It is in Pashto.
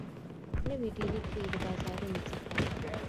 نوي ډیلي کي د بازارونو څخه